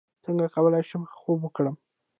څنګه کولی شم ښه خوب وکړم